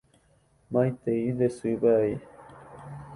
Maitei nde sýpe avei.